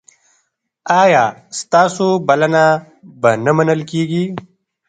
ایا ستاسو بلنه به نه منل کیږي؟